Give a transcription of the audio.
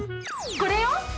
これよ！